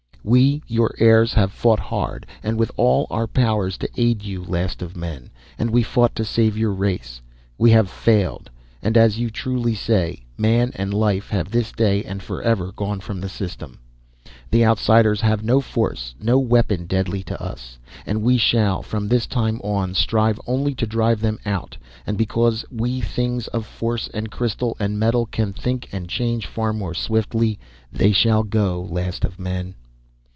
"We, your heirs, have fought hard, and with all our powers to aid you, Last of Men, and we fought to save your race. We have failed, and as you truly say, Man and Life have this day and forever gone from this system. "The Outsiders have no force, no weapon deadly to us, and we shall, from this time on, strive only to drive them out, and because we things of force and crystal and metal can think and change far more swiftly, they shall go, Last of Men.